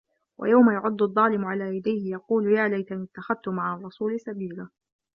وَيَومَ يَعَضُّ الظّالِمُ عَلى يَدَيهِ يَقولُ يا لَيتَنِي اتَّخَذتُ مَعَ الرَّسولِ سَبيلًا